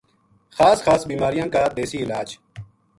خاص خاص بیماریاں کا دیسی علاج